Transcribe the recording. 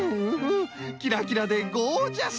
キラキラでゴージャス！